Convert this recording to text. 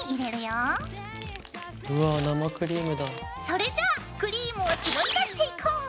それじゃあクリームをしぼり出していこう！